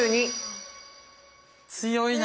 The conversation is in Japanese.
強いな。